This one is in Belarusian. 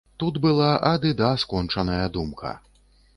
Тут была ад і да скончаная думка.